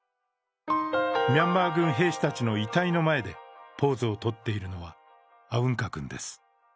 ミャンマー軍兵士たちの遺体の前でポーズをとっているのは、アウンカ君です。